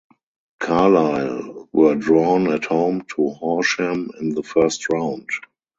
Carlisle were drawn at home to Horsham in the first round.